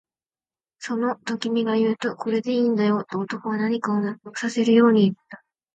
その、と君が言うと、これでいいんだよ、と男は何かを納得させるように言った